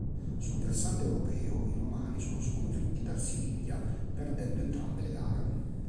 Sul versante europeo, i romani sono sconfitti dal Siviglia perdendo entrambe le gare.